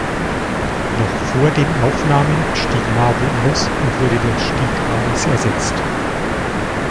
Noch vor den Aufnahmen stieg Nagel aus und wurde durch Stig Hagens ersetzt.